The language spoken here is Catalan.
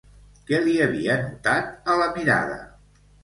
Què li havia notat a la mirada?